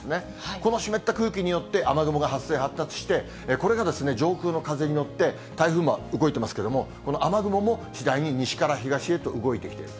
この湿った空気によって雨雲が発生、発達して、これが上空の風に乗って、台風も動いてますけれども、この雨雲も次第に西から東へと動いてきている。